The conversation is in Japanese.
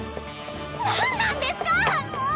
何なんですかもう！